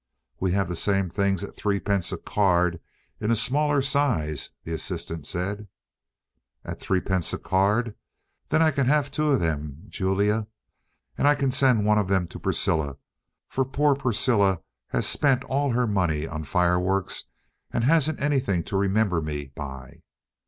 "We have the same things at threepence a card in a smaller size," the assistant said. "At threepence a card! Then I can have two of them, Julia! and I can send one of them to Priscilla, for poor Priscilla has spent all her money on fireworks, and hasn't anything to remember me by."